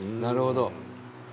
なるほど。